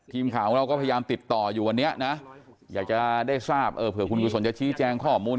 ทีมข่าวของเราก็พยายามติดต่ออยู่วันนี้นะอยากจะได้ทราบเผื่อคุณกุศลจะชี้แจงข้อมูล